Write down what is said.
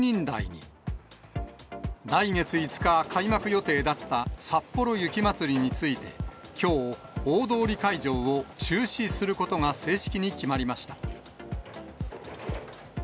来月５日開幕予定だったさっぽろ雪まつりについて、きょう、大通会場を中止することが正式に決まりました。